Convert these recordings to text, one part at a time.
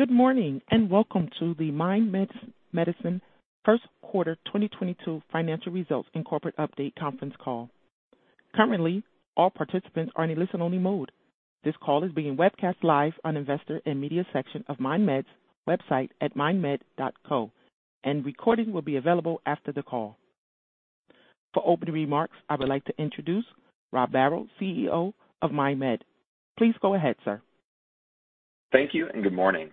Good morning, and welcome to the MindMed's Q1 2022 financial results and corporate update conference call. Currently, all participants are in a listen-only mode. This call is being webcast live on investor and media section of MindMed's website at mindmed.co, and recording will be available after the call. For opening remarks, I would like to introduce Robert Barrow, CEO of MindMed. Please go ahead, sir. Thank you and good morning.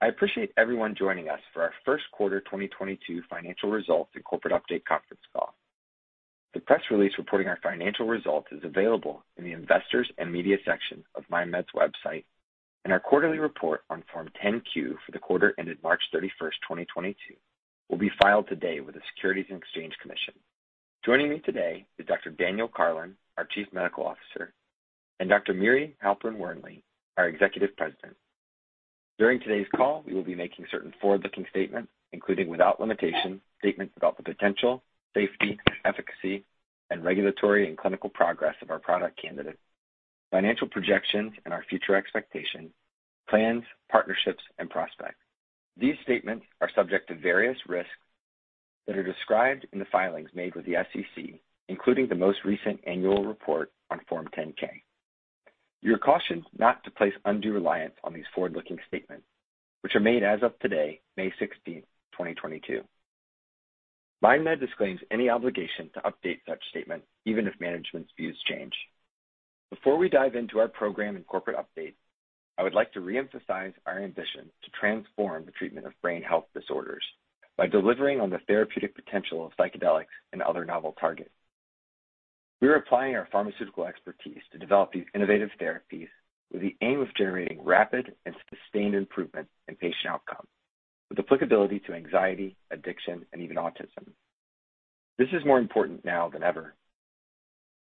I appreciate everyone joining us for our Q1 2022 financial results and corporate update conference call. The press release reporting our financial results is available in the investors and media section of MindMed's website, and our quarterly report on Form 10-Q for the quarter ended March 31st, 2022 will be filed today with the Securities and Exchange Commission. Joining me today is Dr. Daniel Karlin, our Chief Medical Officer, and Dr. Miri Halpern-Wernli, our Executive President. During today's call, we will be making certain forward-looking statements, including, without limitation, statements about the potential, safety, efficacy and regulatory and clinical progress of our product candidates, financial projections and our future expectations, plans, partnerships and prospects. These statements are subject to various risks that are described in the filings made with the SEC, including the most recent annual report on Form 10-K. You're cautioned not to place undue reliance on these forward-looking statements which are made as of today, May 16th, 2022. MindMed disclaims any obligation to update such statements even if management's views change. Before we dive into our program and corporate update, I would like to reemphasize our ambition to transform the treatment of brain health disorders by delivering on the therapeutic potential of psychedelics and other novel targets. We are applying our pharmaceutical expertise to develop these innovative therapies with the aim of generating rapid and sustained improvement in patient outcome, with applicability to anxiety, addiction, and even autism. This is more important now than ever.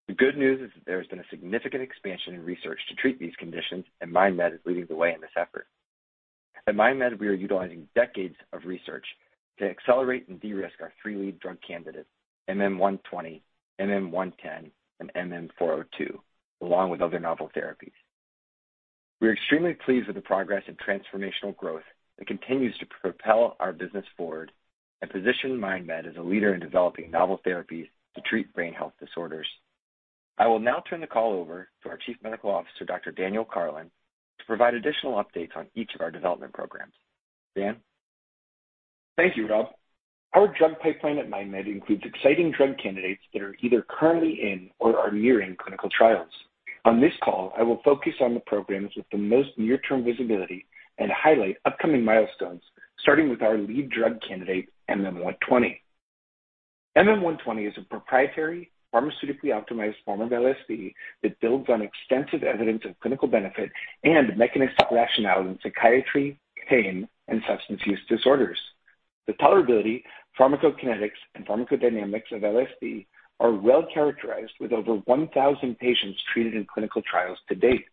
The good news is that there has been a significant expansion in research to treat these conditions, and MindMed is leading the way in this effort. At MindMed, we are utilizing decades of research to accelerate and de-risk our 3 lead drug candidates, MM-120, MM-110, and MM-402, along with other novel therapies. We are extremely pleased with the progress and transformational growth that continues to propel our business forward and position MindMed as a leader in developing novel therapies to treat brain health disorders. I will now turn the call over to our Chief Medical Officer, Dr. Daniel Karlin, to provide additional updates on each of our development programs. Dan. Thank you, Rob. Our drug pipeline at MindMed includes exciting drug candidates that are either currently in or are nearing clinical trials. On this call, I will focus on the programs with the most near term visibility and highlight upcoming milestones, starting with our lead drug candidate, MM-120. MM-120 is a proprietary pharmaceutically optimized form of LSD that builds on extensive evidence of clinical benefit and mechanistic rationale in psychiatry, pain, and substance use disorders. The tolerability, pharmacokinetics, and pharmacodynamics of LSD are well characterized with over 1,000 patients treated in clinical trials to date.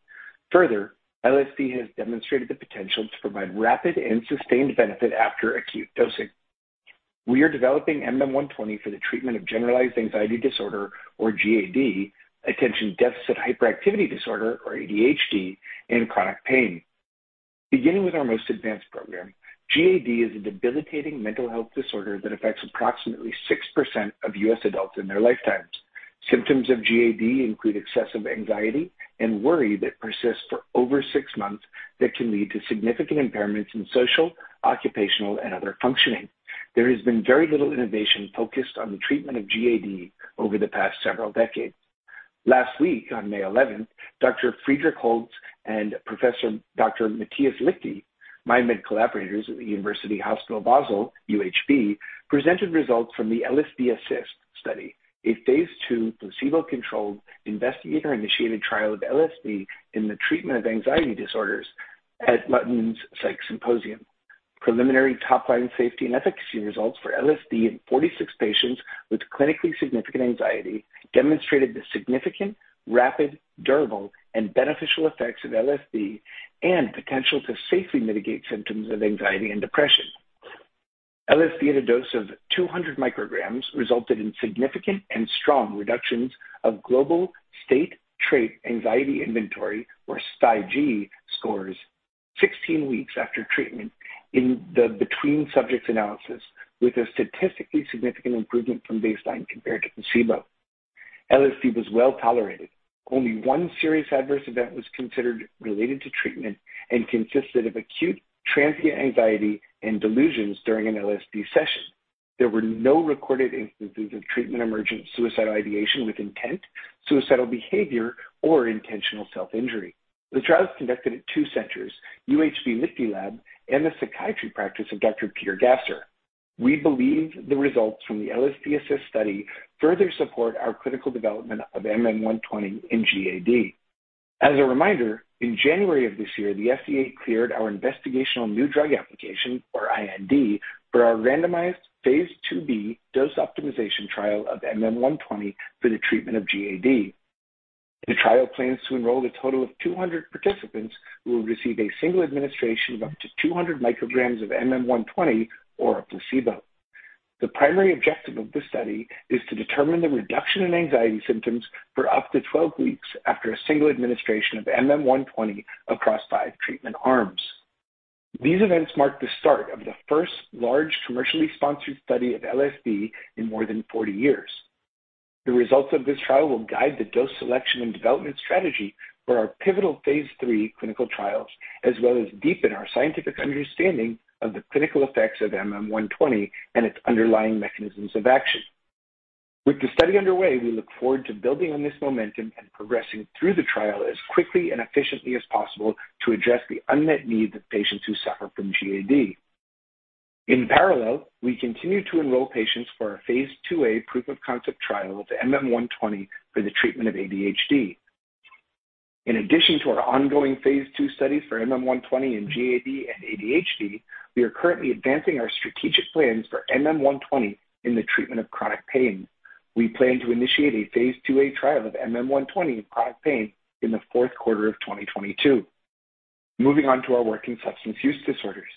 Further, LSD has demonstrated the potential to provide rapid and sustained benefit after acute dosing. We are developing MM-120 for the treatment of generalized anxiety disorder, or GAD, attention deficit hyperactivity disorder, or ADHD, and chronic pain. Beginning with our most advanced program, GAD is a debilitating mental health disorder that affects approximately 6% of U.S. adults in their lifetimes. Symptoms of GAD include excessive anxiety and worry that persists for over 6 months that can lead to significant impairments in social, occupational, and other functioning. There has been very little innovation focused on the treatment of GAD over the past several decades. Last week, on May 11th, Dr. Friederike Holze and Professor Dr. Matthias Liechti, MindMed collaborators at the University Hospital Basel, UHB, presented results from the LSD-Assist study, a phase 2 placebo-controlled investigator-initiated trial of LSD in the treatment of anxiety disorders at London's PSYCH Symposium. Preliminary top line safety and efficacy results for LSD in 46 patients with clinically significant anxiety demonstrated the significant, rapid, durable, and beneficial effects of LSD and potential to safely mitigate symptoms of anxiety and depression. LSD at a dose of 200 micrograms resulted in significant and strong reductions of State-Trait Anxiety Inventory, or STAI-G scores 16 weeks after treatment in the between subjects analysis, with a statistically significant improvement from baseline compared to placebo. LSD was well tolerated. Only 1 serious adverse event was considered related to treatment and consisted of acute transient anxiety and delusions during an LSD session. There were no recorded instances of treatment emergent suicidal ideation with intent, suicidal behavior, or intentional self-injury. The trial was conducted at 2 centers, UHB Liechti Lab and the psychiatry practice of Dr. Peter Gasser. We believe the results from the LSD-Assist Study further support our clinical development of MM-120 in GAD. As a reminder, in January of this year, the FDA cleared our investigational new drug application, or IND, for our randomized phase 2b dose optimization trial of MM-120 for the treatment of GAD. The trial plans to enroll a total of 200 participants who will receive a single administration of up to 200 micrograms of MM-120 or a placebo. The primary objective of this study is to determine the reduction in anxiety symptoms for up to 12 weeks after a single administration of MM-120 across 5 treatment arms. These events mark the start of the first large commercially sponsored study of LSD in more than 40 years. The results of this trial will guide the dose selection and development strategy for our pivotal phase 3 clinical trials, as well as deepen our scientific understanding of the clinical effects of MM-120 and its underlying mechanisms of action. With the study underway, we look forward to building on this momentum and progressing through the trial as quickly and efficiently as possible to address the unmet need of patients who suffer from GAD. In parallel, we continue to enroll patients for our phase 2a proof of concept trial of MM-120 for the treatment of ADHD. In addition to our ongoing phase 2 studies for MM-120 in GAD and ADHD, we are currently advancing our strategic plans for MM-120 in the treatment of chronic pain. We plan to initiate a phase 2a trial of MM-120 in chronic pain in the Q4 of 2022. Moving on to our work in substance use disorders.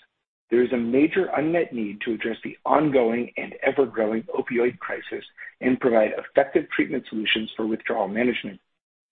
There is a major unmet need to address the ongoing and ever-growing opioid crisis and provide effective treatment solutions for withdrawal management.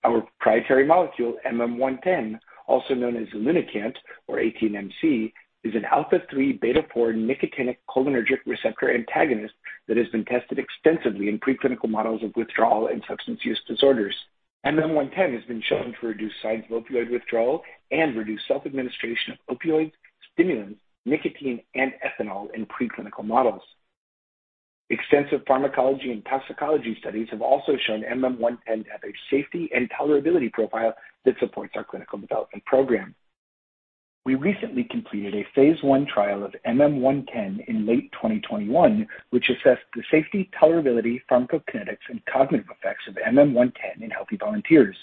Our proprietary molecule, MM110, also known as 18-MC, is an alpha-3 beta-4 nicotinic cholinergic receptor antagonist that has been tested extensively in preclinical models of withdrawal and substance use disorders. MM110 has been shown to reduce signs of opioid withdrawal and reduce self-administration of opioids, stimulants, nicotine and ethanol in preclinical models. Extensive pharmacology and toxicology studies have also shown MM110 to have a safety and tolerability profile that supports our clinical development program. We recently completed a phase 1 trial of MM110 in late 2021, which assessed the safety, tolerability, pharmacokinetics, and cognitive effects of MM110 in healthy volunteers.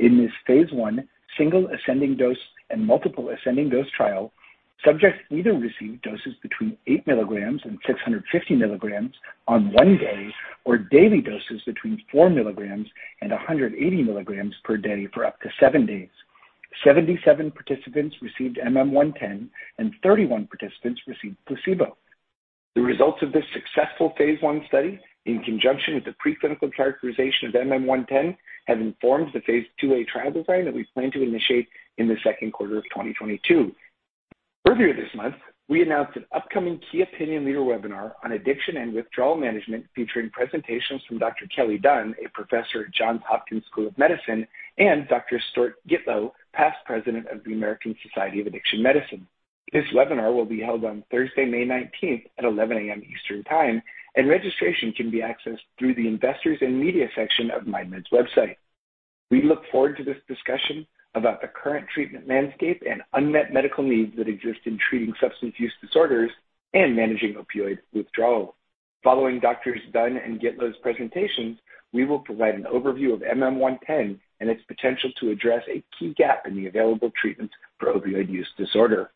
In this phase 1 single ascending dose and multiple ascending dose trial, subjects either received doses between 8 milligrams and 650 milligrams on 1 day or daily doses between 4 milligrams and 180 milligrams per day for up to 7 days. 77 participants received MM-110 and 31 participants received placebo. The results of this successful phase 1 study, in conjunction with the preclinical characterization of MM-110, have informed the phase 2a trial design that we plan to initiate in the Q2 of 2022. Earlier this month, we announced an upcoming key opinion leader webinar on addiction and withdrawal management, featuring presentations from Dr. Kelly Dunn, a professor at Johns Hopkins School of Medicine, and Dr. Stuart Gitlow, past president of the American Society of Addiction Medicine. This webinar will be held on Thursday, May 19 at 11:00 A.M. Eastern Time, and registration can be accessed through the Investors and Media section of MindMed's website. We look forward to this discussion about the current treatment landscape and unmet medical needs that exist in treating substance use disorders and managing opioid withdrawal. Following Dr. Dunn and Dr. Gitlow's presentations, we will provide an overview of MM-110 and its potential to address a key gap in the available treatments for opioid use disorder.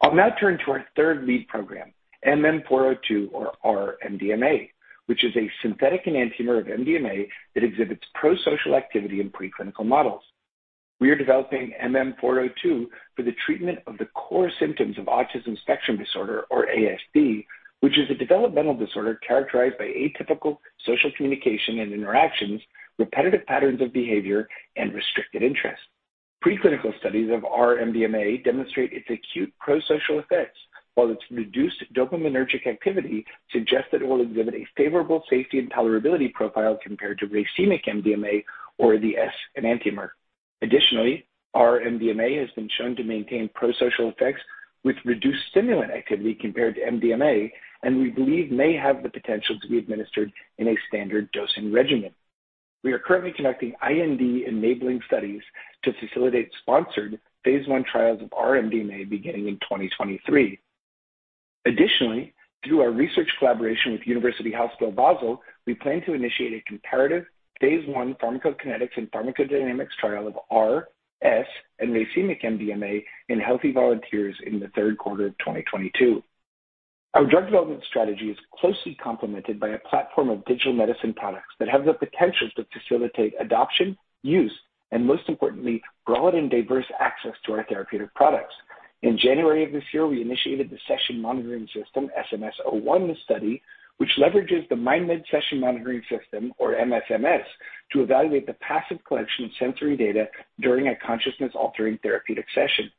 I'll now turn to our third lead program, MM-402 or R-MDMA, which is a synthetic enantiomer of MDMA that exhibits pro-social activity in preclinical models. We are developing MM-402 for the treatment of the core symptoms of autism spectrum disorder or ASD, which is a developmental disorder characterized by atypical social communication and interactions, repetitive patterns of behavior, and restricted interest. Preclinical studies of R-MDMA demonstrate its acute prosocial effects, while its reduced dopaminergic activity suggests that it will exhibit a favorable safety and tolerability profile compared to racemic MDMA or the S enantiomer. Additionally, R-MDMA has been shown to maintain prosocial effects with reduced stimulant activity compared to MDMA, and we believe may have the potential to be administered in a standard dosing regimen. We are currently conducting IND enabling studies to facilitate sponsored phase 1 trials of R-MDMA beginning in 2023. Additionally, through our research collaboration with University Hospital Basel, we plan to initiate a comparative phase 1 pharmacokinetics and pharmacodynamics trial of R, S, and racemic MDMA in healthy volunteers in the Q3 of 2022. Our drug development strategy is closely complemented by a platform of digital medicine products that have the potential to facilitate adoption, use, and most importantly, broad and diverse access to our therapeutic products. In January of this year, we initiated the Session Monitoring System SMS-01 study, which leverages the MindMed Session Monitoring System or MSMS, to evaluate the passive collection of sensory data during a consciousness-altering therapeutic session.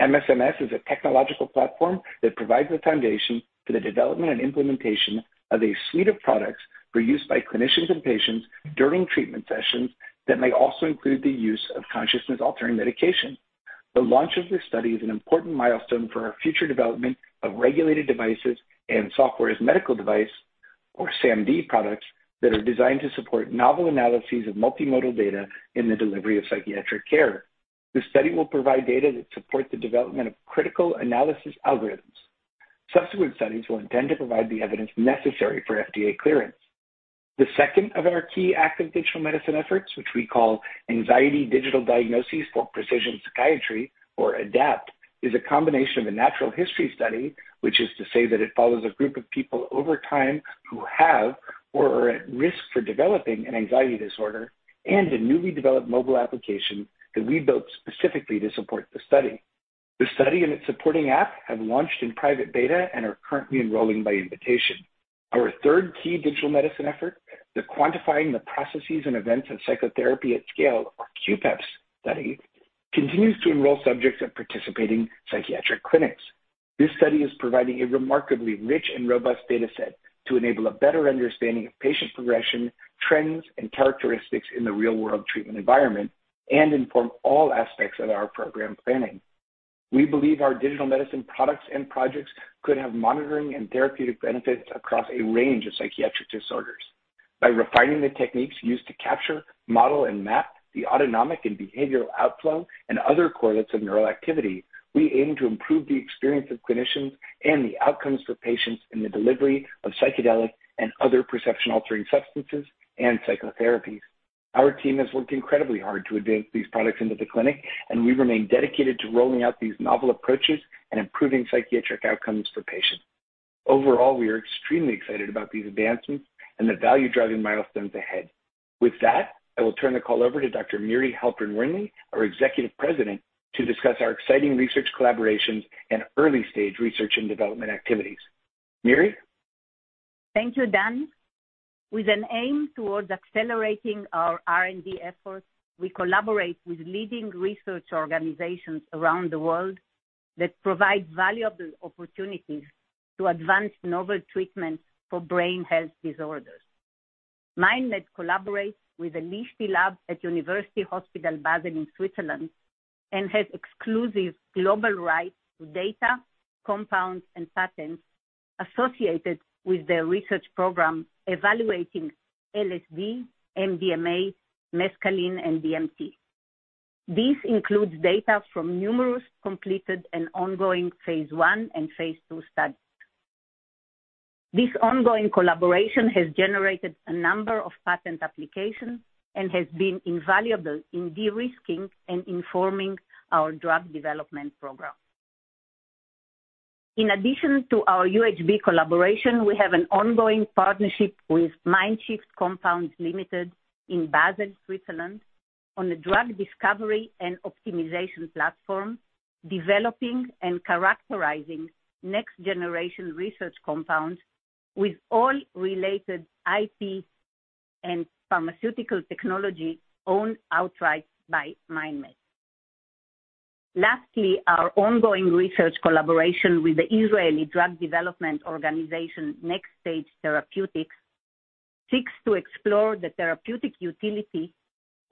MSMS is a technological platform that provides the foundation for the development and implementation of a suite of products for use by clinicians and patients during treatment sessions that may also include the use of consciousness-altering medication. The launch of this study is an important milestone for our future development of regulated devices and Software as a Medical Device or SaMD products that are designed to support novel analyses of multimodal data in the delivery of psychiatric care. The study will provide data that support the development of critical analysis algorithms. Subsequent studies will intend to provide the evidence necessary for FDA clearance. The second of our key active digital medicine efforts, which we call Anxiety Digital Diagnostics for Precision Psychiatry or ADDAPT, is a combination of a natural history study, which is to say that it follows a group of people over time who have or are at risk for developing an anxiety disorder, and a newly developed mobile application that we built specifically to support the study. The study and its supporting app have launched in private beta and are currently enrolling by invitation. Our third key digital medicine effort, the Quantifying the Processes and Events of Psychotherapy at Scale, or QPEPS study, continues to enroll subjects at participating psychiatric clinics. This study is providing a remarkably rich and robust data set to enable a better understanding of patient progression, trends, and characteristics in the real world treatment environment, and inform all aspects of our program planning. We believe our digital medicine products and projects could have monitoring and therapeutic benefits across a range of psychiatric disorders. By refining the techniques used to capture, model and map the autonomic and behavioral outflow and other correlates of neural activity, we aim to improve the experience of clinicians and the outcomes for patients in the delivery of psychedelic and other perception altering substances and psychotherapies. Our team has worked incredibly hard to advance these products into the clinic, and we remain dedicated to rolling out these novel approaches and improving psychiatric outcomes for patients. Overall, we are extremely excited about these advancements and the value driving milestones ahead. With that, I will turn the call over to Dr. Miri Halpern-Wernli, our Executive President, to discuss our exciting research collaborations and early stage research and development activities. Miri. Thank you, Dan. With an aim towards accelerating our R&D efforts, we collaborate with leading research organizations around the world that provide valuable opportunities to advance novel treatments for brain health disorders. MindMed collaborates with the Liechti Lab at University Hospital Basel in Switzerland, and has exclusive global rights to data, compounds, and patents associated with their research program evaluating LSD, MDMA, mescaline and DMT. This includes data from numerous completed and ongoing phase 1 and phase 2 studies. This ongoing collaboration has generated a number of patent applications and has been invaluable in de-risking and informing our drug development program. In addition to our UHB collaboration, we have an ongoing partnership with MindShift Compounds AG in Basel, Switzerland on a drug discovery and optimization platform, developing and characterizing next generation research compounds with all related IP and pharmaceutical technology owned outright by MindMed. Lastly, our ongoing research collaboration with the Israeli drug development organization, Nextage Therapeutics, seeks to explore the therapeutic utility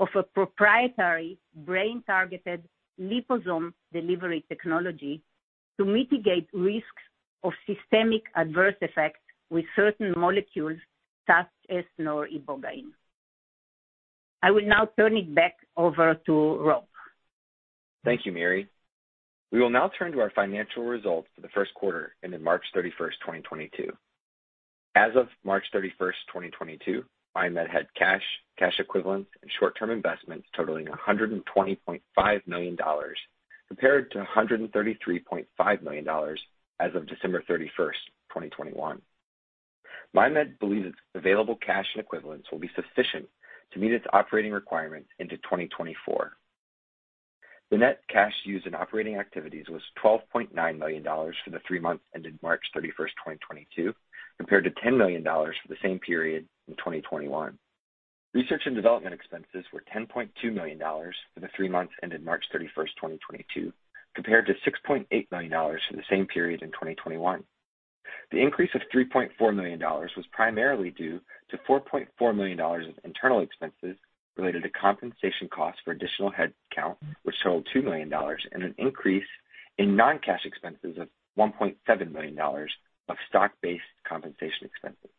of a proprietary brain targeted liposome delivery technology to mitigate risks of systemic adverse effects with certain molecules such as noribogaine. I will now turn it back over to Rob. Thank you, Miri. We will now turn to our financial results for the Q1 ending March 31st, 2022. As of March 31st, 2022, MindMed had cash equivalents and short-term investments totaling $120.5 million, compared to $133.5 million as of December 31, 2021. MindMed believes its available cash and equivalents will be sufficient to meet its operating requirements into 2024. The net cash used in operating activities was $12.9 million for the 3 months ended March 31, 2022, compared to $10 million for the same period in 2021. Research and development expenses were $10.2 million for the 3 months ended March 31, 2022, compared to $6.8 million for the same period in 2021. The increase of $3.4 million was primarily due to $4.4 million of internal expenses related to compensation costs for additional head count, which totaled $2 million, and an increase in non-cash expenses of $1.7 million of stock-based compensation expenses.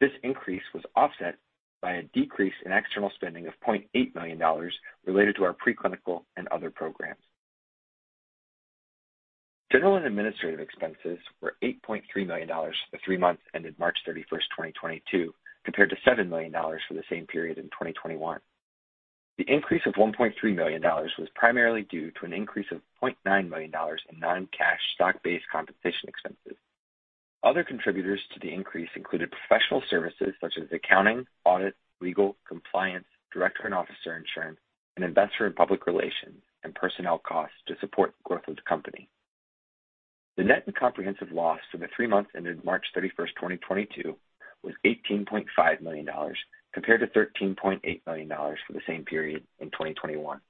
This increase was offset by a decrease in external spending of $0.8 million related to our pre-clinical and other programs. General and administrative expenses were $8.3 million for the 3 months ended March 31, 2022, compared to $7 million for the same period in 2021. The increase of $1.3 million was primarily due to an increase of $0.9 million in non-cash stock-based compensation expenses. Other contributors to the increase included professional services such as accounting, audit, legal, compliance, director and officer insurance, and investor in public relations and personnel costs to support the growth of the company. The net and comprehensive loss for the 3 months ended March 31, 2022 was $18.5 million, compared to $13.8 million for the same period in 2021.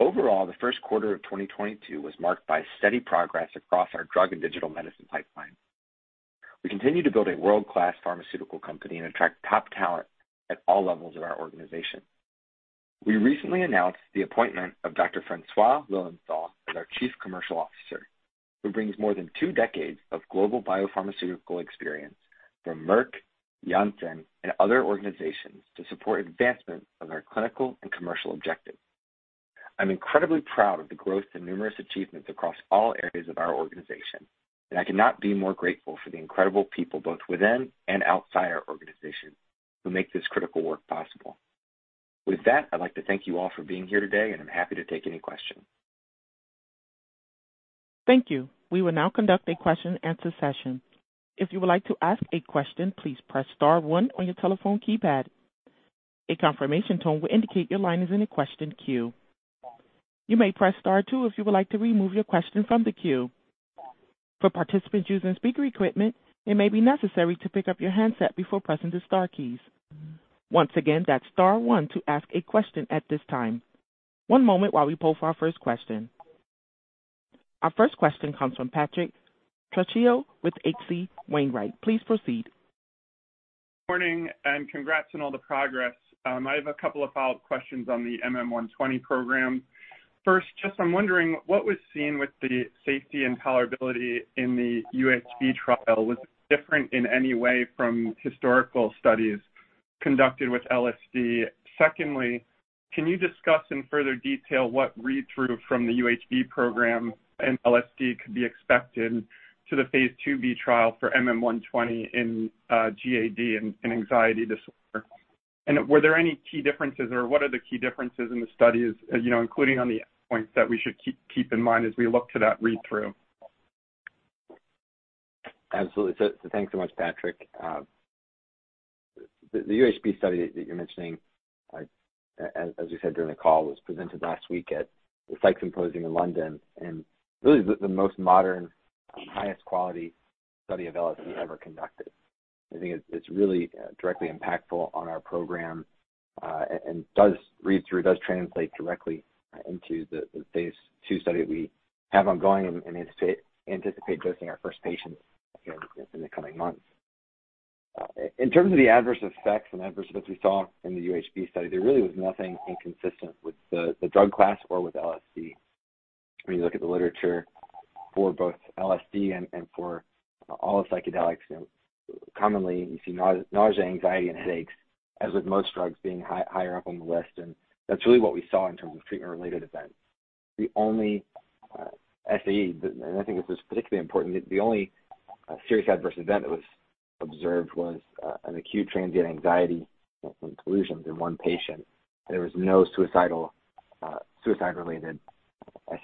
Overall, the Q1 of 2022 was marked by steady progress across our drug and digital medicine pipeline. We continue to build a world-class pharmaceutical company and attract top talent at all levels of our organization. We recently announced the appointment of Dr. François Lilienthal as our Chief Commercial Officer, who brings more than 2 decades of global biopharmaceutical experience from Merck, Janssen and other organizations to support advancement of our clinical and commercial objectives. I'm incredibly proud of the growth and numerous achievements across all areas of our organization, and I cannot be more grateful for the incredible people both within and outside our organization who make this critical work possible. With that, I'd like to thank you all for being here today, and I'm happy to take any questions Thank you. We will now conduct a question and answer session. If you would like to ask a question, please press star 1 on your telephone keypad. A confirmation tone will indicate your line is in a question queue. You may press star 2 if you would like to remove your question from the queue. For participants using speaker equipment, it may be necessary to pick up your handset before pressing the star keys. Once again, that's star 1 to ask a question at this time. 1 moment while we poll for our first question. Our first question comes from Patrick Trucchio with H.C. Wainwright. Please proceed. Morning, congrats on all the progress. I have a couple of follow-up questions on the MM-120 program. First, just I'm wondering what was seen with the safety and tolerability in the UHB trial was different in any way from historical studies conducted with LSD. Secondly, can you discuss in further detail what read-through from the UHB program and LSD could be expected to the phase 2B trial for MM-120 in GAD and anxiety disorder? Were there any key differences or what are the key differences in the studies, including on the points that we should keep in mind as we look to that read-through? Absolutely. Thanks so much, Patrick. The UHB study that you're mentioning, as you said during the call, was presented last week at the PSYCH Symposium in London, and really the most modern, highest quality study of LSD ever conducted. I think it's really directly impactful on our program, and does read through, does translate directly into the phase 2 study we have ongoing and anticipate dosing our first patients in the coming months. In terms of the adverse effects and adverse events we saw in the UHB study, there really was nothing inconsistent with the drug class or with LSD. When you look at the literature for both LSD and for all psychedelics, you know, commonly you see nausea, anxiety, and headaches, as with most drugs being higher up on the list, and that's really what we saw in terms of treatment-related events. The only SAE, and I think this is particularly important. The only serious adverse event that was observed was an acute transient anxiety and delusions in 1 patient. There was no suicide-related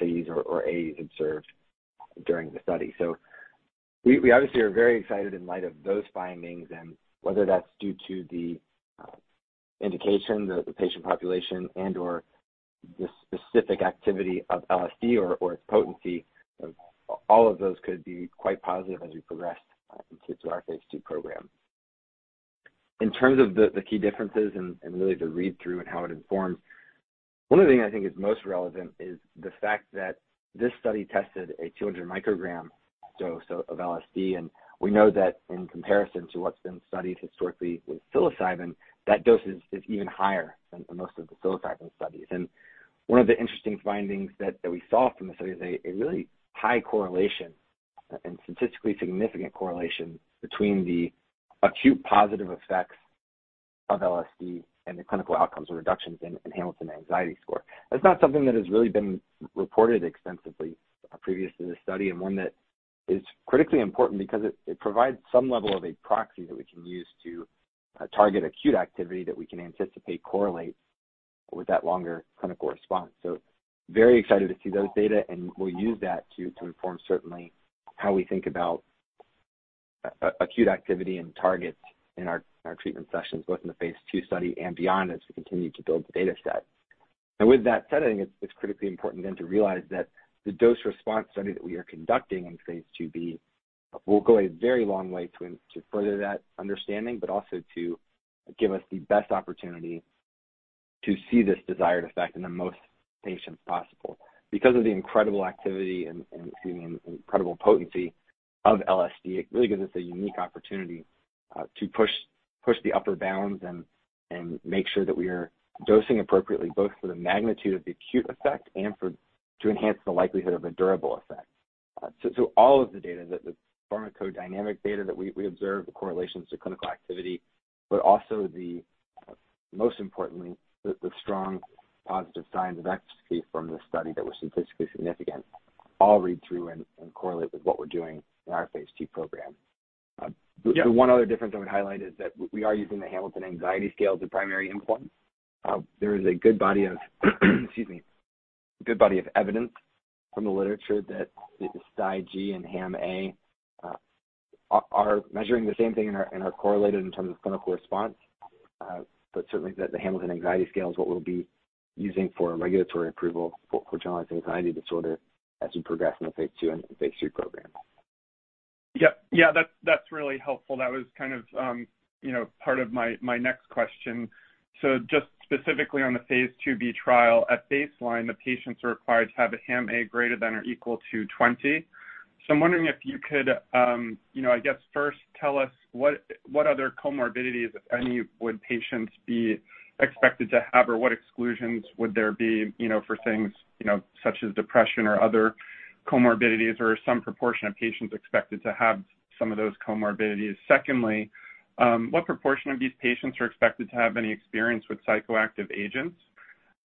SAEs or AEs observed during the study. We obviously are very excited in light of those findings and whether that's due to the indication, the patient population and/or the specific activity of LSD or its potency of all of those could be quite positive as we progress into our phase 2 program. In terms of the key differences and really the read-through and how it informs, 1 of the things I think is most relevant is the fact that this study tested a 200 microgram dose of LSD. We know that in comparison to what's been studied historically with psilocybin, that dose is even higher than most of the psilocybin studies. 1 of the interesting findings that we saw from the study is a really high correlation and statistically significant correlation between the acute positive effects of LSD and the clinical outcomes or reductions in Hamilton Anxiety score. That's not something that has really been reported extensively previous to this study, and 1 that is critically important because it provides some level of a proxy that we can use to target acute activity that we can anticipate correlates with that longer clinical response. Very excited to see those data, and we'll use that to inform certainly how we think about acute activity and targets in our treatment sessions, both in the phase 2 study and beyond as we continue to build the data set. With that said, I think it's critically important then to realize that the dose response study that we are conducting in phase 2B will go a very long way to further that understanding, but also to give us the best opportunity to see this desired effect in the most patients possible. Because of the incredible activity and the incredible potency of LSD, it really gives us a unique opportunity to push the upper bounds and make sure that we are dosing appropriately, both for the magnitude of the acute effect and to enhance the likelihood of a durable effect. All of the data that the pharmacodynamic data that we observe the correlations to clinical activity, but also the most importantly, the strong positive signs of efficacy from this study that were statistically significant, all read through and correlate with what we're doing in our phase 2 program. Yeah. The 1 other difference I would highlight is that we are using the Hamilton Anxiety Scale as the primary endpoint. There is a good body of evidence from the literature that the STAI-G and HAM-A are measuring the same thing and are correlated in terms of clinical response. Certainly the Hamilton Anxiety Scale is what we'll be using for regulatory approval for generalized anxiety disorder as we progress in the phase 2 and phase 3 program. Yeah, that's really helpful. That was kind of you know part of my next question. Just specifically on the phase 2B trial, at baseline, the patients are required to have a HAM-A greater than or equal to 20. I'm wondering if you could you know I guess first tell us what other comorbidities, if any, would patients be expected to have, or what exclusions would there be you know for things you know such as depression or other comorbidities or some proportion of patients expected to have some of those comorbidities? Secondly, what proportion of these patients are expected to have any experience with psychoactive agents?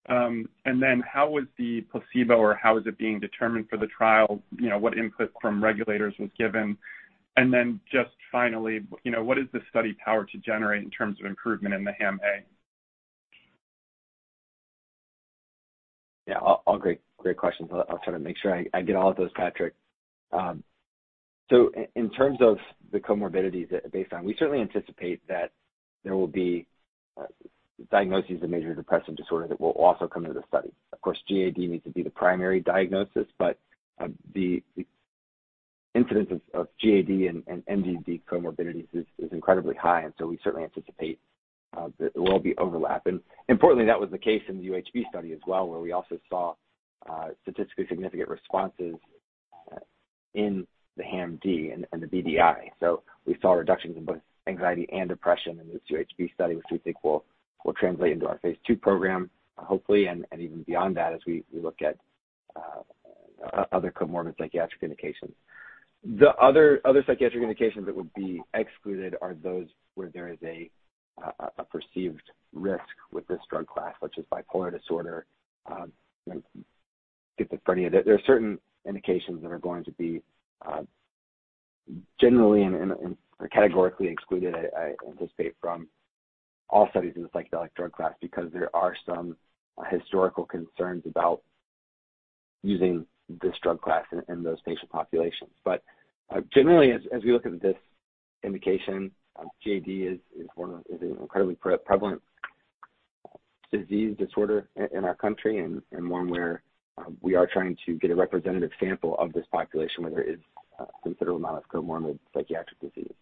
And then how is the placebo or how is it being determined for the trial? You know, what input from regulators was given? Just finally, you know, what is the study powered to generate in terms of improvement in the HAM-A? Yeah. All great questions. I'll try to make sure I get all of those, Patrick. In terms of the comorbidities that are based on, we certainly anticipate that there will be diagnoses of Major Depressive Disorder that will also come into the study. Of course, GAD needs to be the primary diagnosis, but the incidence of GAD and MDD comorbidities is incredibly high. We certainly anticipate that there will be overlap. Importantly, that was the case in the UHB study as well, where we also saw statistically significant responses in the HAM-D and the BDI. We saw reductions in both anxiety and depression in this UHB study, which we think will translate into our phase 2 program, hopefully, and even beyond that as we look at other comorbid psychiatric indications. The other psychiatric indications that would be excluded are those where there is a perceived risk with this drug class, which is bipolar disorder, schizophrenia. There are certain indications that are going to be generally and categorically excluded, I anticipate from all studies in the psychedelic drug class because there are some historical concerns about using this drug class in those patient populations. Generally, as we look at this indication, GAD is an incredibly prevalent disease disorder in our country and 1 where we are trying to get a representative sample of this population where there is a considerable amount of comorbid psychiatric disease.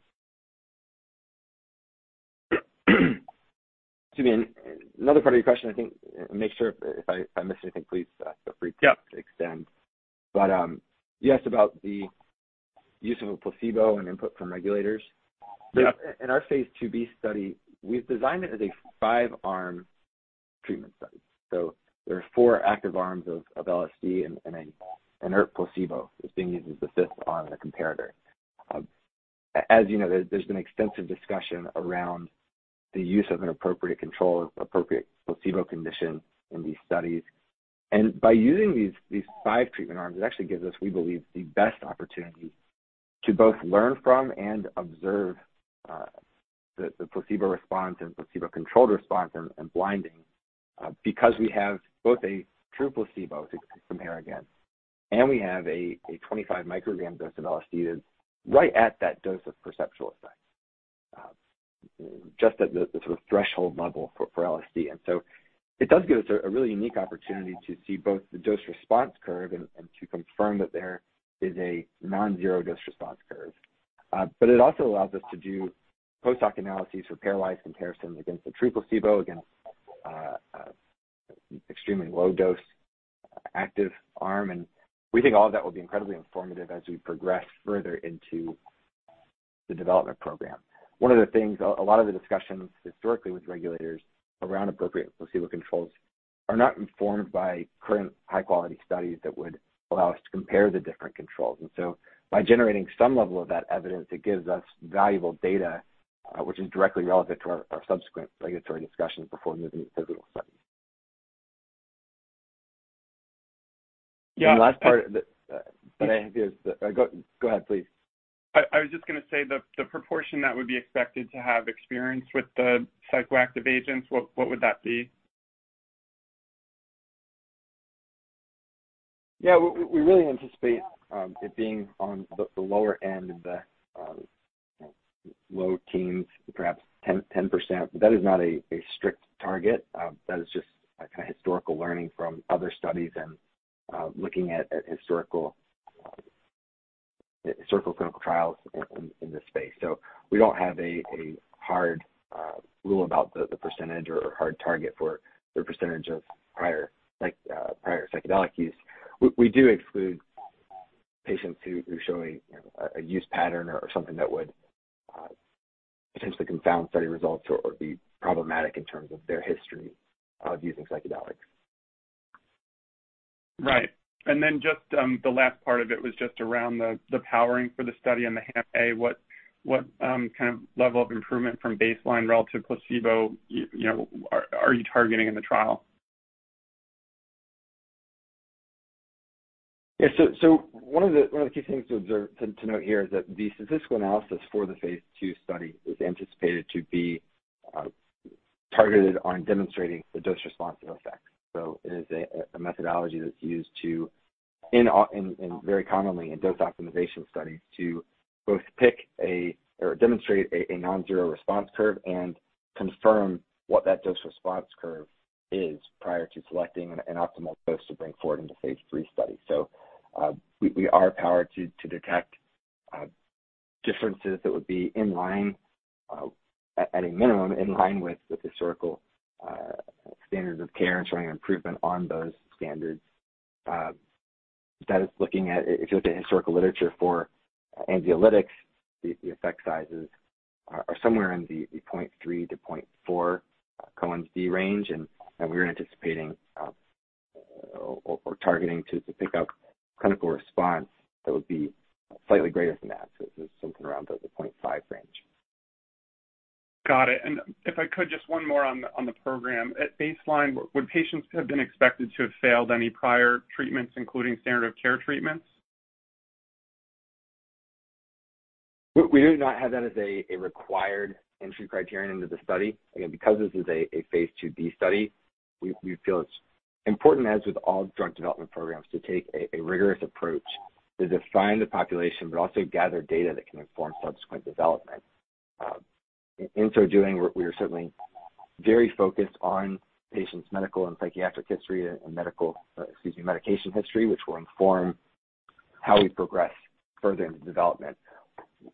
Excuse me. Another part of your question, I think, make sure if I missed anything, please, feel free to- Yeah You asked about the use of a placebo and input from regulators. Yeah. In our phase 2 B study, we've designed it as a 5-arm treatment study. There are 4 active arms of LSD and an inert placebo is being used as the fifth arm and a comparator. As you know, there's been extensive discussion around the use of an appropriate control, appropriate placebo condition in these studies. By using these 5 treatment arms, it actually gives us, we believe, the best opportunity to both learn from and observe the placebo response and placebo-controlled response and blinding because we have both a true placebo, if we compare again, and we have a 25 microgram dose of LSD that's right at that dose of perceptual effect just at the sort of threshold level for LSD. It does give us a really unique opportunity to see both the dose response curve and to confirm that there is a non-zero dose response curve. It also allows us to do post-hoc analyses for pairwise comparisons against the true placebo, against extremely low dose active arm. We think all of that will be incredibly informative as we progress further into the development program. 1 of the things, a lot of the discussions historically with regulators around appropriate placebo controls are not informed by current high-quality studies that would allow us to compare the different controls. By generating some level of that evidence, it gives us valuable data, which is directly relevant to our subsequent regulatory discussions before moving to pivotal studies. Yeah. The last part that I have here is the. Go ahead, please. I was just gonna say the proportion that would be expected to have experience with the psychoactive agents, what would that be? Yeah. We really anticipate it being on the lower end of, you know, low teens, perhaps 10%. That is not a strict target. That is just a kind of historical learning from other studies and looking at historical clinical trials in this space. We don't have a hard rule about the percentage or hard target for the percentage of prior psychedelic use. We do exclude patients who show a use pattern or something that would potentially confound study results or be problematic in terms of their history of using psychedelics. Right. Just the last part of it was just around the powering for the study and the HAM-A. What kind of level of improvement from baseline relative placebo you know are you targeting in the trial? Yeah. 1 of the key things to note here is that the statistical analysis for the phase 2 study is anticipated to be targeted on demonstrating the dose response and effect. It is a methodology that's used very commonly in dose optimization studies to both pick or demonstrate a non-zero response curve and confirm what that dose response curve is prior to selecting an optimal dose to bring forward into phase 3 study. We are powered to detect differences that would be in line, at a minimum, in line with the historical standards of care and showing improvement on those standards. If you look at historical literature for anxiolytics, the effect sizes are somewhere in the 0.3-0.4 Cohen's d range. We're anticipating or targeting to pick up clinical response that would be slightly greater than that. It's something around the 0.5 range. Got it. If I could just 1 more on the program. At baseline, would patients have been expected to have failed any prior treatments, including standard of care treatments? We do not have that as a required entry criterion into the study. Again, because this is a phase 2b study, we feel it's important, as with all drug development programs, to take a rigorous approach to define the population but also gather data that can inform subsequent development. In so doing, we are certainly very focused on patients' medical and psychiatric history and medication history, which will inform how we progress further into development.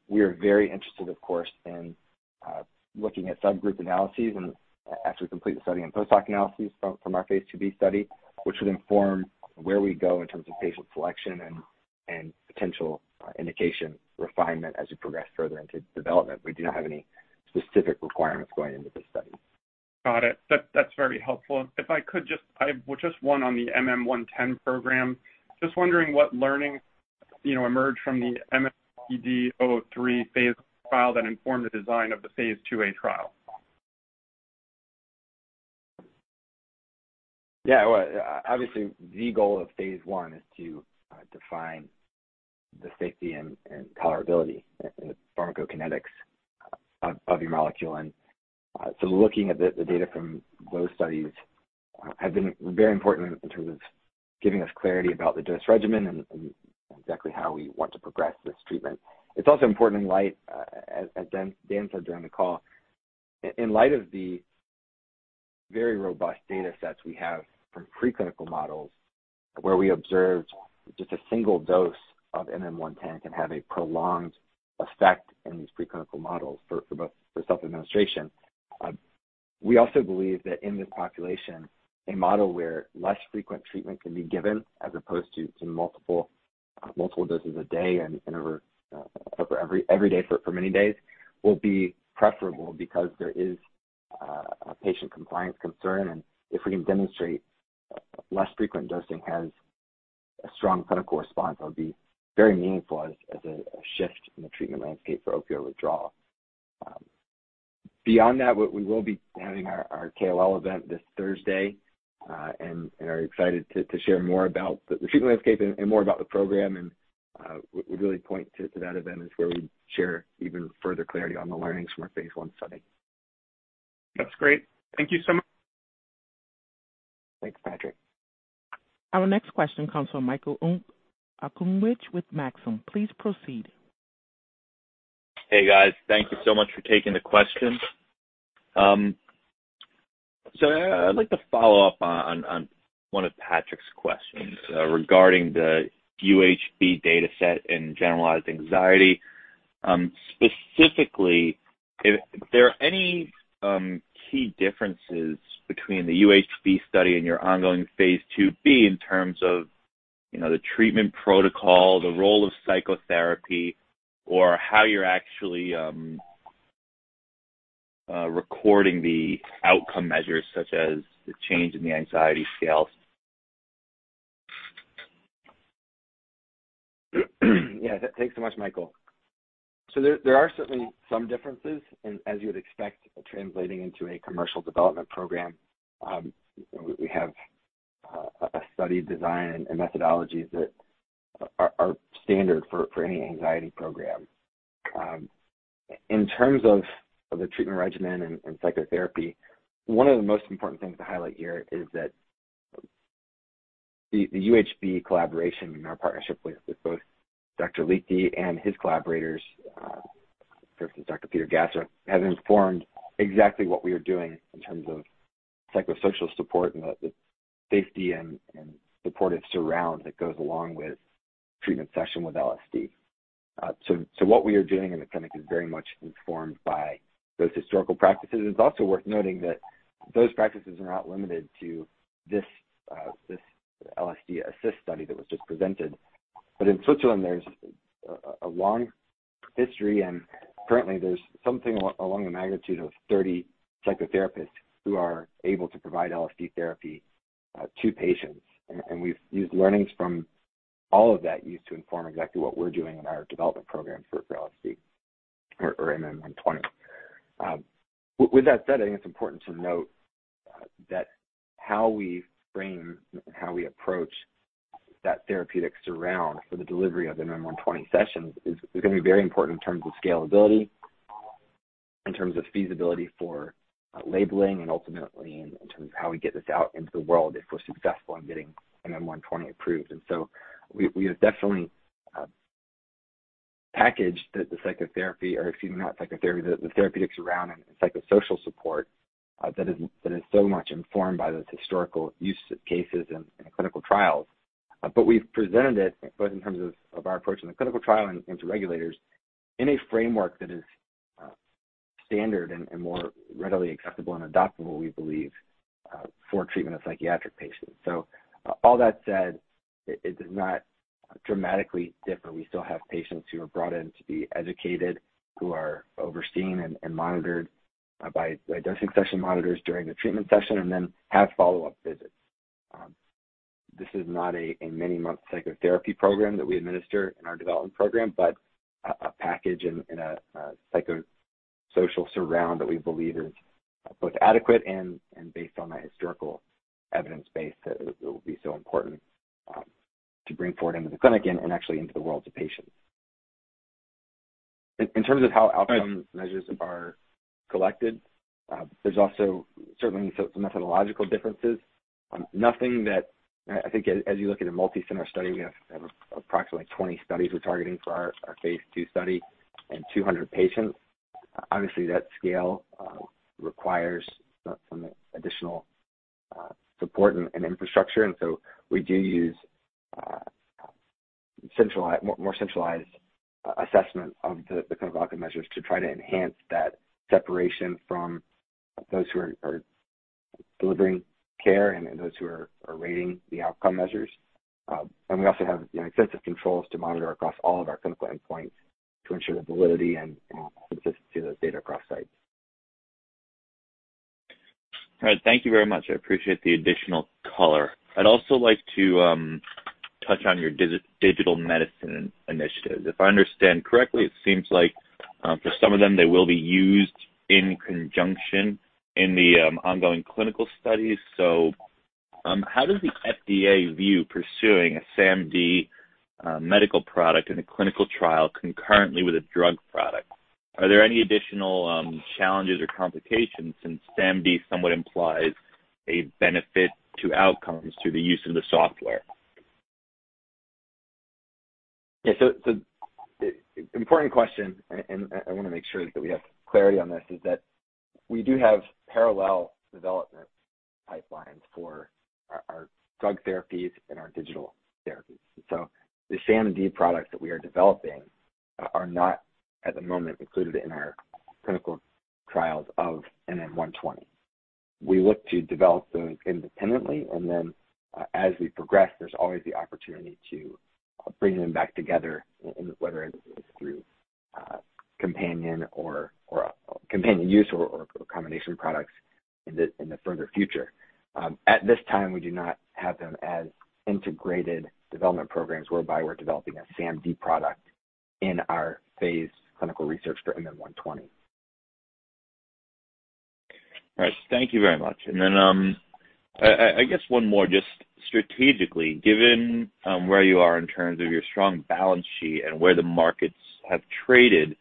We are very interested, of course, in looking at subgroup analyses and after we complete the study and post-hoc analyses from our phase 2b study, which would inform where we go in terms of patient selection and potential indication refinement as we progress further into development. We do not have any specific requirements going into this study. Got it. That's very helpful. If I could well, just 1 on the MM-110 program. Just wondering what learning, you know, emerged from the MMED003 phase 1 trial that informed the design of the phase 2a trial. Yeah. Well, obviously the goal of phase 1 is to define the safety and tolerability and the pharmacokinetics of your molecule. Looking at the data from those studies have been very important in terms of giving us clarity about the dose regimen and exactly how we want to progress this treatment. It's also important in light, as Dr. Daniel Karlin said during the call, in light of the very robust datasets we have from preclinical models, where we observed just a single dose of MM-110 can have a prolonged effect in these preclinical models for both self-administration. We also believe that in this population, a model where less frequent treatment can be given as opposed to multiple doses a day and over every day for many days will be preferable because there is a patient compliance concern. If we can demonstrate less frequent dosing has a strong clinical response, that would be very meaningful as a shift in the treatment landscape for opioid withdrawal. Beyond that, we will be having our KOL event this Thursday, and are excited to share more about the treatment landscape and more about the program. We'd really point to that event is where we share even further clarity on the learnings from our phase 1 study. That's great. Thank you so much. Thanks, Patrick. Our next question comes from Michael Okunewitch with Maxim. Please proceed. Hey, guys. Thank you so much for taking the questions. I'd like to follow up on 1 of Patrick's questions regarding the UHB data set and generalized anxiety. Specifically, if there are any key differences between the UHB study and your ongoing phase 2b in terms of, you know, the treatment protocol, the role of psychotherapy or how you're actually recording the outcome measures such as the change in the anxiety scales? Yeah. Thanks so much, Michael. There are certainly some differences and as you would expect, translating into a commercial development program. You know, we have a study design and methodologies that are standard for any anxiety program. In terms of the treatment regimen and psychotherapy, 1 of the most important things to highlight here is that the UHB collaboration and our partnership with both Dr. Liechti and his collaborators, persons like Dr. Peter Gasser, has informed exactly what we are doing in terms of psychosocial support and the safety and supportive surround that goes along with treatment session with LSD. What we are doing in the clinic is very much informed by those historical practices. It's also worth noting that those practices are not limited to this LSD-Assist Study that was just presented. In Switzerland there's a long history, and currently there's something along the magnitude of 30 psychotherapists who are able to provide LSD therapy to patients. We've used learnings from all of that use to inform exactly what we're doing in our development program for LSD or MM-120. With that said, I think it's important to note that how we frame and how we approach that therapeutic surround for the delivery of the MM-120 sessions is gonna be very important in terms of scalability, in terms of feasibility for labeling and ultimately in terms of how we get this out into the world if we're successful in getting MM-120 approved. We have definitely packaged the psychotherapy or excuse me, not psychotherapy, the therapeutic surround and psychosocial support that is so much informed by this historical use cases in clinical trials. We've presented it both in terms of our approach in the clinical trial and into regulators in a framework that is standard and more readily acceptable and adoptable, we believe, for treatment of psychiatric patients. All that said, it does not dramatically differ. We still have patients who are brought in to be educated, who are overseen and monitored by dosing session monitors during the treatment session, and then have follow-up visits. This is not a many month psychotherapy program that we administer in our development program, but a package and a psychosocial surround that we believe is both adequate and based on the historical evidence base that it will be so important to bring forward into the clinic and actually into the world to patients. In terms of how outcome measures are collected, there's also certainly some methodological differences. Nothing that I think as you look at a multicenter study, we have approximately 20 studies we're targeting for our phase 2 study and 200 patients. Obviously, that scale requires some additional support and infrastructure. We do use more centralized assessment of the kind of outcome measures to try to enhance that separation from those who are delivering care and those who are rating the outcome measures. We also have, you know, extensive controls to monitor across all of our clinical endpoints to ensure the validity and consistency of those data across sites. All right. Thank you very much. I appreciate the additional color. I'd also like to touch on your digital medicine initiatives. If I understand correctly, it seems like for some of them, they will be used in conjunction with the ongoing clinical studies. How does the FDA view pursuing a SaMD medical product in a clinical trial concurrently with a drug product? Are there any additional challenges or complications since SaMD somewhat implies a benefit to outcomes through the use of the software? Important question, and I wanna make sure that we have clarity on this, is that we do have parallel development pipelines for our drug therapies and our digital therapies. The SaMD products that we are developing are not, at the moment, included in our clinical trials of MM-120. We look to develop those independently, and then, as we progress, there's always the opportunity to bring them back together in whether it is through companion or companion use or combination products in the further future. At this time, we do not have them as integrated development programs whereby we're developing a SaMD product in our phase clinical research for MM-120. All right. Thank you very much. I guess 1 more, just strategically, given where you are in terms of your strong balance sheet and where the markets have traded,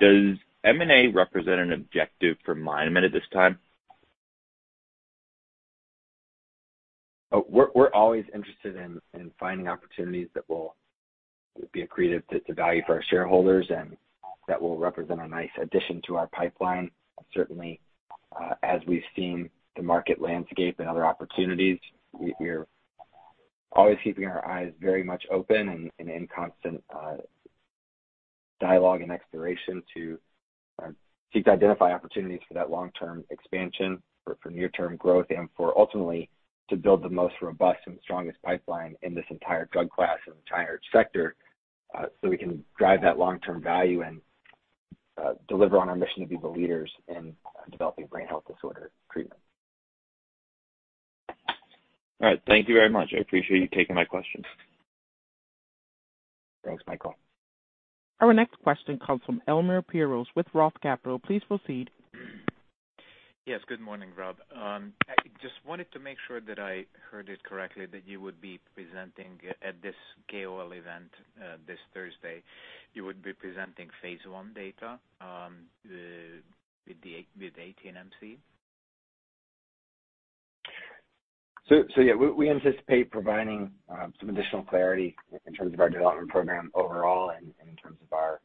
does M&A represent an objective for MindMed at this time? We're always interested in finding opportunities that will be accretive to value for our shareholders and that will represent a nice addition to our pipeline. Certainly, as we've seen the market landscape and other opportunities, we're always keeping our eyes very much open and in constant dialogue and exploration to seek to identify opportunities for that long-term expansion, for near-term growth, and for ultimately to build the most robust and strongest pipeline in this entire drug class and the entire sector, so we can drive that long-term value and deliver on our mission to be the leaders in developing brain health disorder treatment. All right. Thank you very much. I appreciate you taking my questions. Thanks, Michael. Our next question comes from Elemer Piros with Roth Capital. Please proceed. Yes, good morning, Rob. I just wanted to make sure that I heard it correctly, that you would be presenting at this KOL event this Thursday. You would be presenting phase 1 data with 18-MC. Yeah, we anticipate providing some additional clarity in terms of our development program overall and in terms of our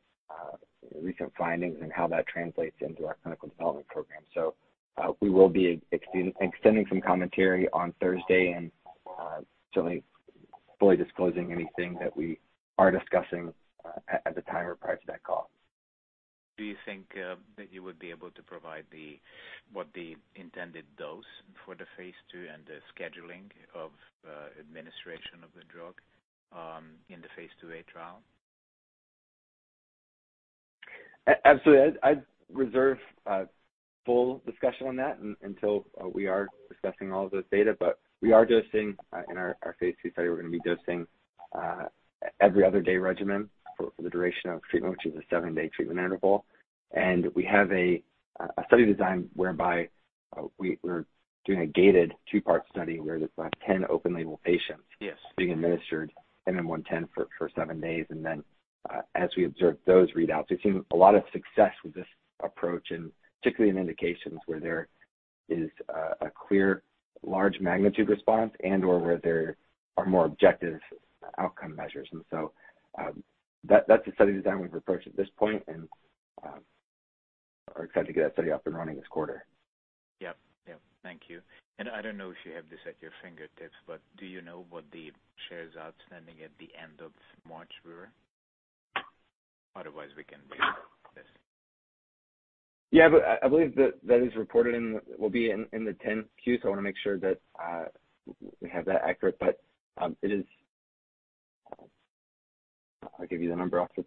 recent findings and how that translates into our clinical development program. We will be extending some commentary on Thursday and certainly fully disclosing anything that we are discussing at the time or prior to that call. Do you think that you would be able to provide what the intended dose for the phase 2 and the scheduling of administration of the drug in the phase 2 A trial? Absolutely. I'd reserve a full discussion on that until we are discussing all of those data. We are dosing in our phase 2 study. We're gonna be dosing every other day regimen for the duration of treatment, which is a 7-day treatment interval. We have a study design whereby we're doing a gated 2-part study where there's like 10 open label patients. Yes. Being administered MM-110 for 7 days and then as we observe those readouts. We've seen a lot of success with this approach, and particularly in indications where there is a clear large magnitude response and/or where there are more objective outcome measures. That's the study design we've approached at this point and are excited to get that study up and running this quarter. Yep. Yep. Thank you. I don't know if you have this at your fingertips, but do you know what the shares outstanding at the end of March were? Otherwise, we can leave this. I believe that is reported in, will be in, the 10-Q. I want to make sure that we have that accurate. It is. I'll give you the number after.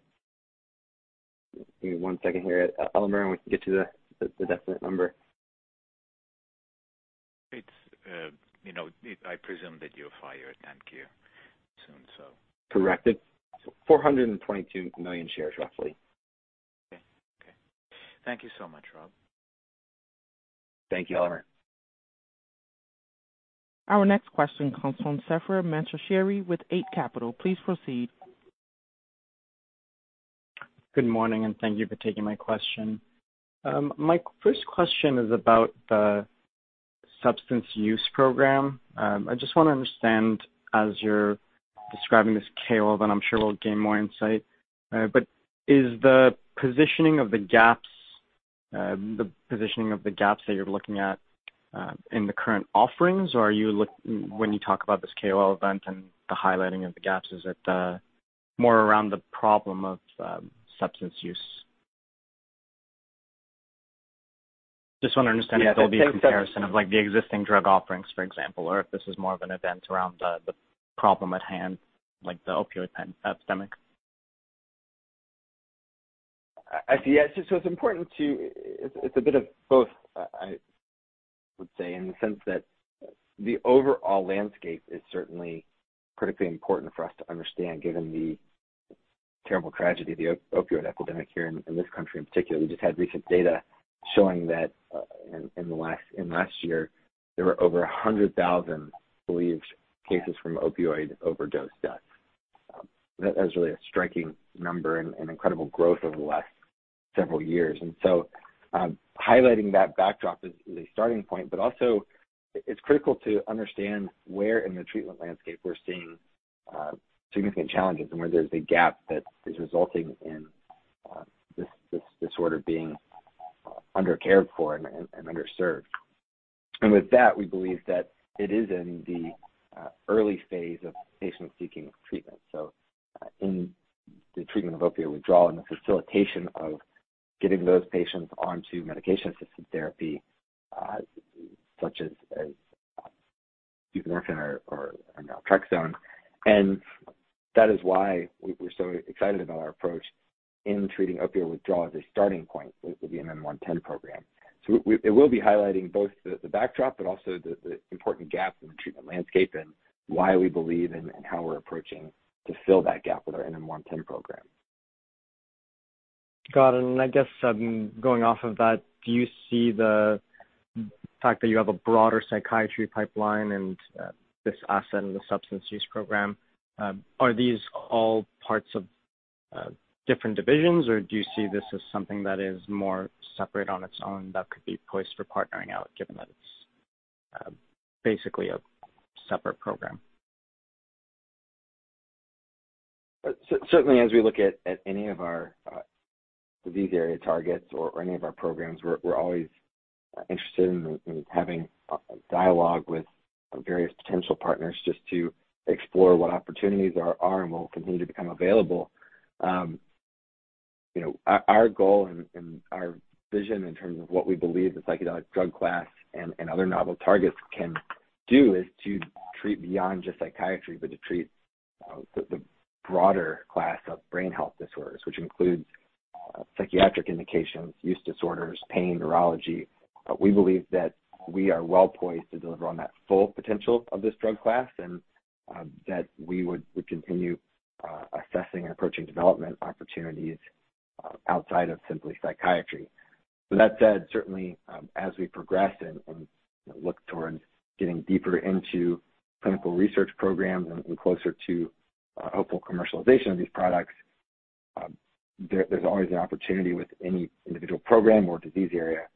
Give me 1 second here, Elmer, and we can get you the definitive number. It's, you know, I presume that you'll file your 10-Q soon, so. Correct. It's 422 million shares, roughly. Okay. Thank you so much, Rob. Thank you, Elemer Piros. Our next question comes from Sepehr Manochehri with Eight Capital. Please proceed. Good morning, and thank you for taking my question. My first question is about the substance use program. I just wanna understand as you're describing this KOL, then I'm sure we'll gain more insight. But is the positioning of the gaps that you're looking at in the current offerings, or when you talk about this KOL event and the highlighting of the gaps, is it more around the problem of substance use? Just wanna understand if there'll be a comparison of, like, the existing drug offerings, for example, or if this is more of an event around the problem at hand, like the opioid epidemic. I see. Yeah. It's a bit of both. I would say in the sense that the overall landscape is certainly critically important for us to understand given the terrible tragedy of the opioid epidemic here in this country in particular. We just had recent data showing that in the last year, there were over 100,000 believed cases from opioid overdose deaths. That is really a striking number and incredible growth over the last several years. Highlighting that backdrop is a starting point, but also it's critical to understand where in the treatment landscape we're seeing significant challenges and where there's a gap that is resulting in this disorder being under-cared for and underserved. With that, we believe that it is in the early phase of patients seeking treatment, so in the treatment of opioid withdrawal and the facilitation of getting those patients onto medication-assisted therapy, such as buprenorphine or naltrexone. That is why we're so excited about our approach in treating opioid withdrawal as a starting point with the MM-110 program. It will be highlighting both the backdrop but also the important gaps in the treatment landscape and why we believe and how we're approaching to fill that gap with our MM-110 program. Got it. I guess, going off of that, do you see the fact that you have a broader psychiatry pipeline and this asset in the substance use program, are these all parts of different divisions, or do you see this as something that is more separate on its own that could be poised for partnering out, given that it's basically a separate program? Certainly as we look at any of our disease area targets or any of our programs, we're always interested in having a dialogue with various potential partners just to explore what opportunities there are and will continue to become available. You know, our goal and our vision in terms of what we believe the psychedelic drug class and other novel targets can do is to treat beyond just psychiatry, but to treat the broader class of brain health disorders, which includes psychiatric indications, use disorders, pain, neurology. We believe that we are well poised to deliver on that full potential of this drug class and that we would continue assessing and approaching development opportunities outside of simply psychiatry. That said, certainly, as we progress and look towards getting deeper into clinical research programs and closer to hopeful commercialization of these products, there's always an opportunity with any individual program or disease area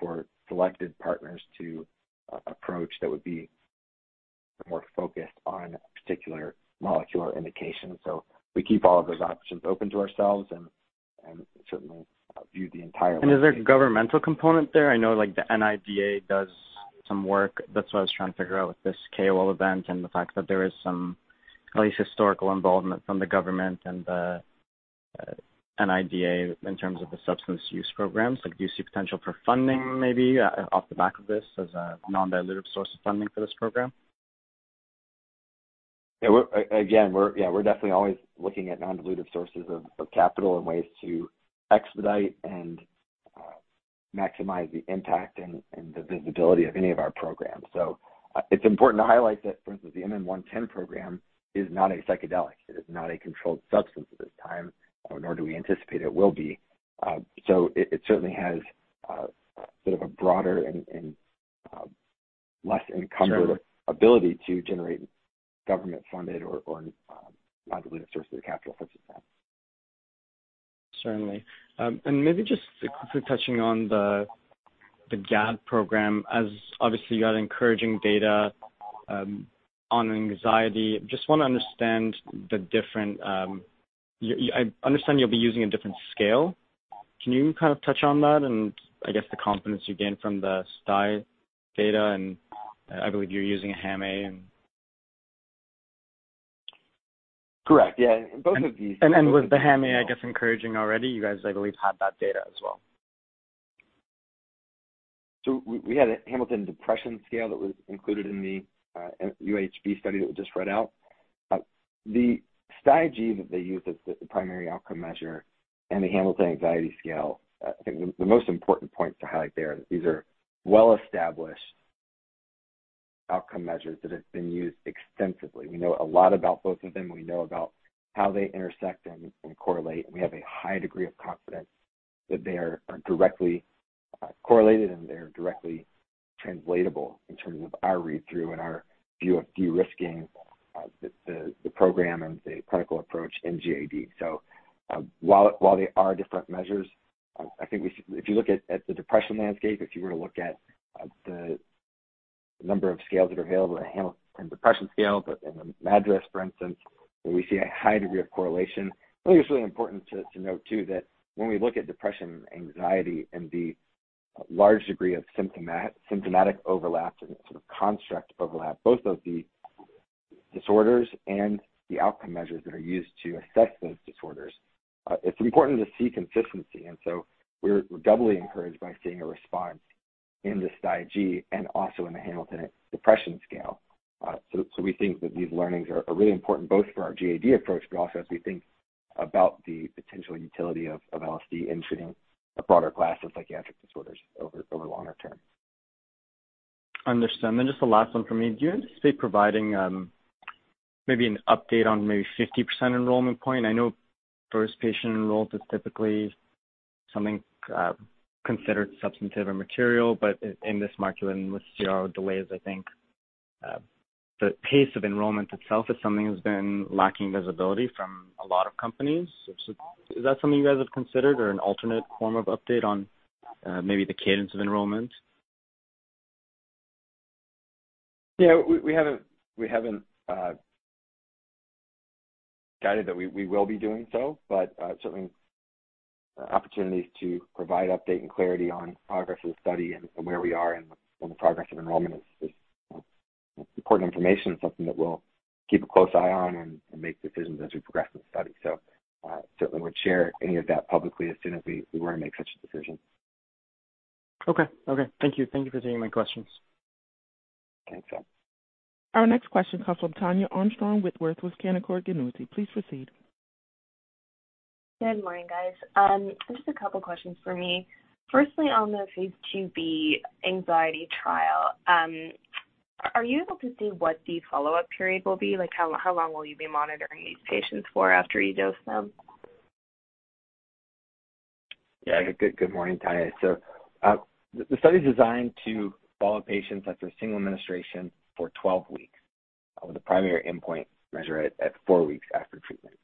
for selected partners to approach that would be more focused on a particular molecular indication. We keep all of those options open to ourselves and certainly view the entire landscape. Is there a governmental component there? I know like the NIDA does some work. That's what I was trying to figure out with this KOL event and the fact that there is some at least historical involvement from the government and the NIDA in terms of the substance use programs. Like, do you see potential for funding maybe off the back of this as a non-dilutive source of funding for this program? We're definitely always looking at non-dilutive sources of capital and ways to expedite and maximize the impact and the visibility of any of our programs. It's important to highlight that, for instance, the MM-110 program is not a psychedelic. It is not a controlled substance at this time, nor do we anticipate it will be. It certainly has sort of a broader and less encumbered- Sure. ability to generate government-funded or non-dilutive sources of capital for this program. Certainly. And maybe just quickly touching on the GAD program. As obviously you got encouraging data on anxiety, just wanna understand the different. I understand you'll be using a different scale. Can you kind of touch on that and I guess the confidence you gain from the STAI data? And I believe you're using a HAM-A and- Correct. Yeah. Both of these. Was the HAM-A, I guess, encouraging already? You guys, I believe, had that data as well. We had a Hamilton Depression Scale that was included in the UHB study that was just read out. The STAI G that they use as the primary outcome measure and the Hamilton Anxiety Scale, I think the most important points to highlight there, these are well-established outcome measures that have been used extensively. We know a lot about both of them. We know about how they intersect and correlate, and we have a high degree of confidence that they are directly correlated and they are directly translatable in terms of our read-through and our view of de-risking the program and the clinical approach in GAD. While they are different measures, I think we should. If you look at the depression landscape, if you were to look at the number of scales that are available, the Hamilton Depression Scale, and the MADRS for instance, where we see a high degree of correlation. I think it's really important to note too that when we look at depression and anxiety and the large degree of symptomatic overlap and sort of construct overlap, both of the disorders and the outcome measures that are used to assess those disorders, it's important to see consistency. We're doubly encouraged by seeing a response in the STAI G and also in the Hamilton Depression Scale. We think that these learnings are really important both for our GAD approach, but also as we think about the potential utility of LSD in treating a broader class of psychiatric disorders over longer term. Understand. Just the last 1 for me. Do you anticipate providing maybe an update on maybe 50% enrollment point? I know first patient enrolled is typically something considered substantive or material, but in this market and with CRO delays I think the pace of enrollment itself is something that's been lacking visibility from a lot of companies. So is that something you guys have considered or an alternate form of update on maybe the cadence of enrollment? Yeah. We haven't guided that we will be doing so, but certainly opportunities to provide update and clarity on progress of the study and where we are in the progress of enrollment is important information and something that we'll keep a close eye on and make decisions as we progress the study. Certainly would share any of that publicly as soon as we were to make such a decision. Okay. Thank you for taking my questions. Thanks. Yeah. Our next question comes from Tania Gonsalves with Canaccord Genuity. Please proceed. Good morning, guys. Just a couple questions for me. Firstly, on the phase 2b anxiety trial, are you able to say what the follow-up period will be? Like, how long will you be monitoring these patients for after you dose them? Good morning, Tania. The study's designed to follow patients after a single administration for 12 weeks, with the primary endpoint measured at 4 weeks after treatment.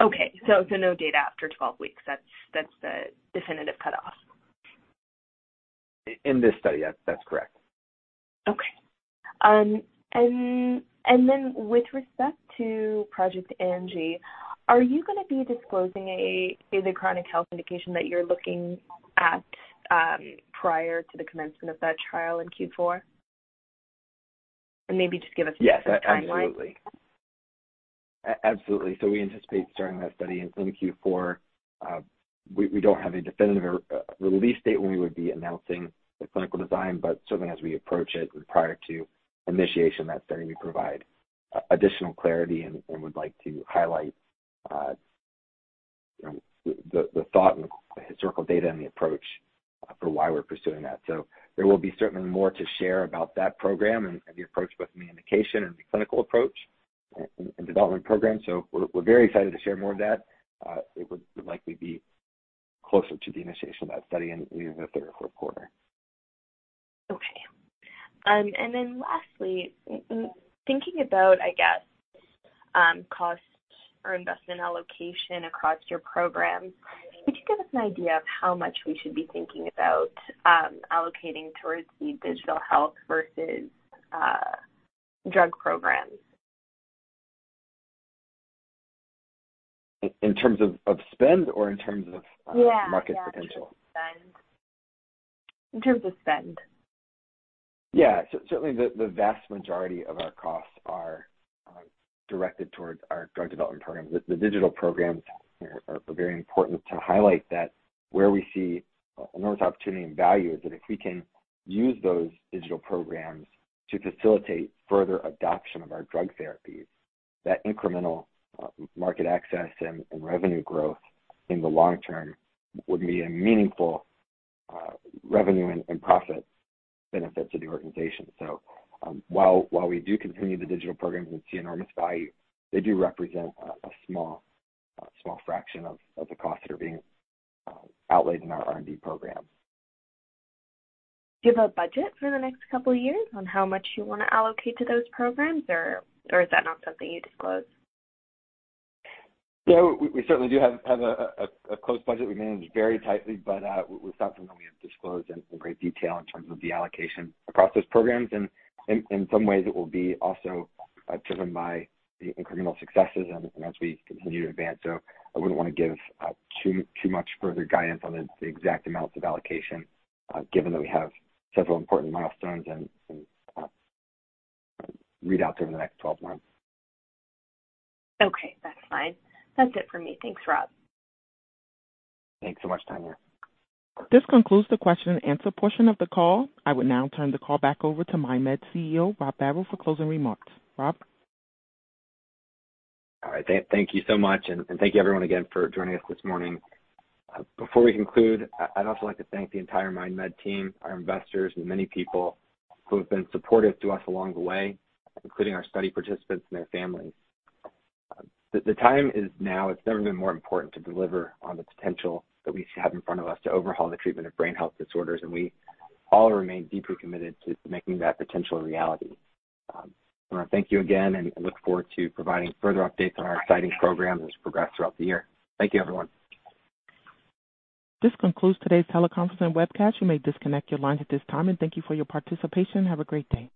Okay. No data after 12 weeks. That's the definitive cutoff. In this study, yes. That's correct. Okay. And then with respect to Project Lucy, are you gonna be disclosing the chronic health indication that you're looking at prior to the commencement of that trial in Q4? Maybe just give us a sense of timeline? Absolutely. We anticipate starting that study in Q4. We don't have a definitive release date when we would be announcing the clinical design, but certainly as we approach it and prior to initiation of that study, we provide additional clarity and would like to highlight the thought and the historical data and the approach for why we're pursuing that. There will be certainly more to share about that program and the approach both in the indication and the clinical approach and development program. We're very excited to share more of that. It would likely be closer to the initiation of that study in either the Q3 or Q4. Lastly, thinking about, I guess, costs or investment allocation across your programs, could you give us an idea of how much we should be thinking about allocating towards the digital health versus drug programs? In terms of spend or in terms of Yeah. market potential? Yeah. In terms of spend. Yeah. Certainly the vast majority of our costs are directed towards our drug development programs. The digital programs are very important to highlight that where we see enormous opportunity and value is that if we can use those digital programs to facilitate further adoption of our drug therapies, that incremental market access and revenue growth in the long term would be a meaningful revenue and profit benefit to the organization. While we do continue the digital programs and see enormous value, they do represent a small fraction of the costs that are being outlaid in our R&D programs. Do you have a budget for the next couple years on how much you wanna allocate to those programs or is that not something you disclose? Yeah. We certainly do have a close budget. We manage very tightly, but it was something that we have disclosed in great detail in terms of the allocation across those programs. In some ways it will be also driven by the incremental successes and as we continue to advance. I wouldn't wanna give too much further guidance on the exact amounts of allocation, given that we have several important milestones and readouts over the next twelve months. Okay, that's fine. That's it for me. Thanks, Rob. Thanks so much, Tania. This concludes the question and answer portion of the call. I would now turn the call back over to MindMed CEO, Robert Barrow, for closing remarks. Rob? All right. Thank you so much, and thank you everyone again for joining us this morning. Before we conclude, I'd also like to thank the entire MindMed team, our investors and many people who have been supportive to us along the way, including our study participants and their families. The time is now. It's never been more important to deliver on the potential that we have in front of us to overhaul the treatment of brain health disorders, and we all remain deeply committed to making that potential a reality. I wanna thank you again, and I look forward to providing further up dates on our exciting program as we progress throughout the year. Thank you, everyone. This concludes today's teleconference and webcast. You may disconnect your lines at this time. Thank you for your participation, and have a great day.